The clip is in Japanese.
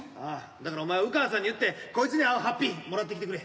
だからお前は烏川さんに言ってこいつに合う法被もらってきてくれ。